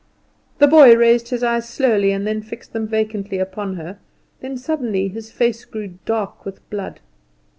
The boy raised his eyes slowly and fixed them vacantly upon her, then suddenly his face grew dark with blood.